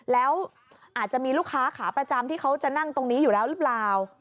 แล้วอาจจะมีลูกค้าขาประจำที่เขาจะนั่งตรงนี้อยู่แล้วหรือเปล่า